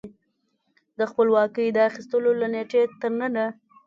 د خپلواکۍ د اخیستو له نېټې تر ننه